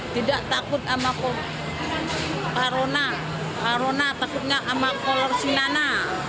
tidak takut sama corona takutnya sama kolor sinana